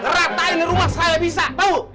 ratain rumah saya bisa tahu